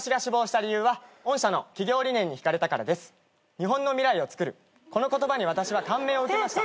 「日本の未来をつくる」この言葉に私は感銘を受けました。